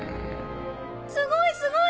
すごいすごい！